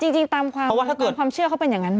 จริงตามความเชื่อเขาเป็นอย่างนั้น